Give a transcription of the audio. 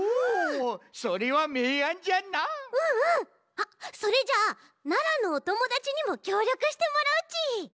あっそれじゃあ奈良のおともだちにもきょうりょくしてもらうち。